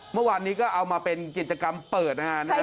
เมื่อวานนี้ก็เอามาเป็นกิจกรรมเปิดนะฮะ